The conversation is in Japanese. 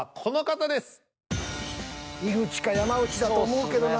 井口か山内だと思うけどな。